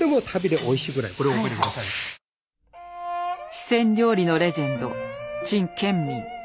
四川料理のレジェンド陳建民。